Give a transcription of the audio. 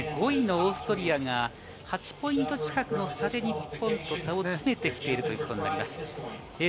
５位のオーストリアが８ポイント近くの差で日本と差を詰めてきているということになります。